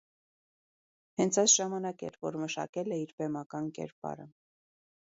Հենց այս ժամանակ էր, որ մշակել է իր բեմական կերպարը։